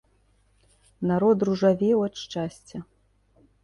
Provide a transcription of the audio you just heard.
Народ ружавеў ад шчасця!